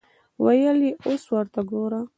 ویل یې اوس ورته ګوره.